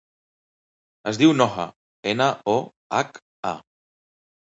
Es diu Noha: ena, o, hac, a.